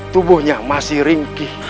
tubuhnya masih ringkih